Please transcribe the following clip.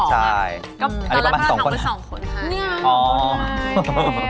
ตอนละพ่อพี่ถองมีสองคนค่ะ